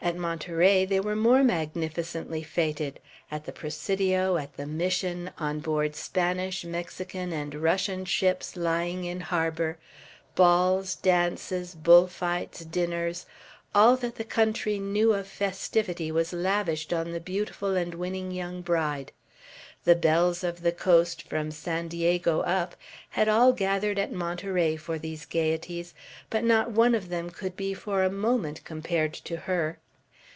At Monterey they were more magnificently feted; at the Presidio, at the Mission, on board Spanish, Mexican, and Russian ships lying in harbor, balls, dances, bull fights, dinners, all that the country knew of festivity, was lavished on the beautiful and winning young bride. The belles of the coast, from San Diego up, had all gathered at Monterey for these gayeties, but not one of them could be for a moment compared to her.